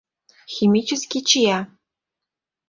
— Химический чия!